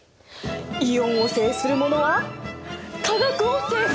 イオンを制するものは化学を制す！